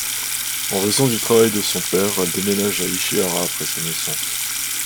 En raison du travail de son père, elle déménage à Ichihara après sa naissance.